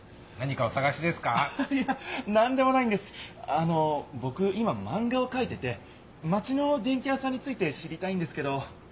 あのぼく今マンガをかいててマチの電器屋さんについて知りたいんですけど。